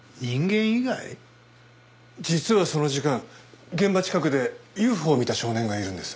実はその時間現場近くでＵＦＯを見た少年がいるんです。